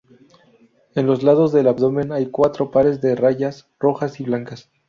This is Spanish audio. En los lados del abdomen hay cuatro pares de rayas rojas y blancas.